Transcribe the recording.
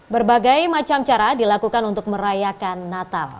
berbagai macam cara dilakukan untuk merayakan natal